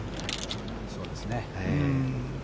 そうですね。